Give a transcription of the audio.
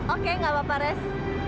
oke gak apa apa res